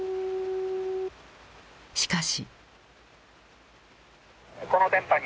しかし。